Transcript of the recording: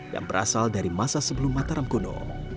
yang berasal dari masa sebelum mataram kuno